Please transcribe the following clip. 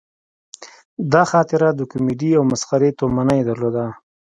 دا خاطره د کومیډي او مسخرې تومنه یې درلوده.